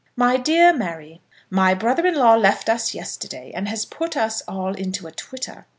MY DEAR MARY, My brother in law left us yesterday, and has put us all into a twitter.